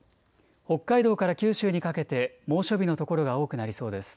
北海道から九州にかけて猛暑日の所が多くなりそうです。